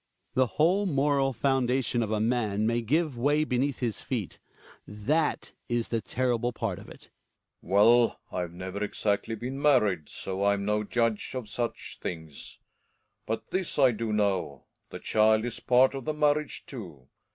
Hjalmar. The whole moral foundation of a man may give way beneath his feet; that is the terrible part of it. Relling. Well, I've never exactly been married, so I'm no judge of such things. But this I do know, the child is part of the marriage too.